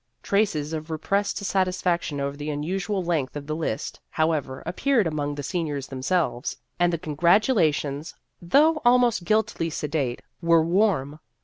Traces of repressed satisfaction over the unusual length of the list, however, appeared among the seniors themselves, and the congratula tions, though almost guiltily sedate, were warm.